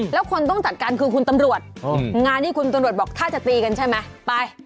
แล้วคนต้องจัดการคือคุณตำรวจงานที่คุณตำรวจบอกถ้าจะตีกันใช่ไหมไป